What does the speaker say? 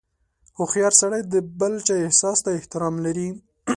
• هوښیار سړی د بل چا احساس ته احترام لري.